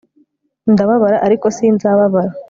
ndababara ariko sinzababara